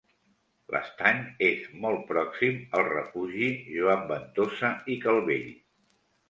L'estany és molt pròxim al Refugi Joan Ventosa i Calvell.